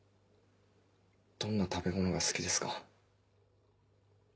どんな食べ物が好きですか？